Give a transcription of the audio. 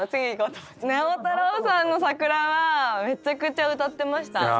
直太朗さんの「さくら」はめちゃくちゃ歌ってました。